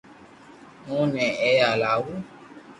اي ني ايني لاو